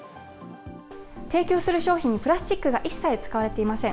提供する商品にプラスチックが一切使われていません。